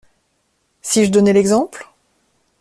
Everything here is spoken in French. Si je donnais l'exemple?